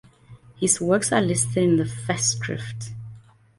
His works are listed in the festschrift.